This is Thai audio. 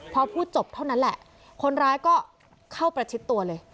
พอพูดจบเท่านั้นแหละคนร้ายก็เข้าประชิดตัวเลย